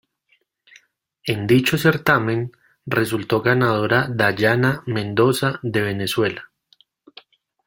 En dicho certamen resultó ganadora Dayana Mendoza de Venezuela.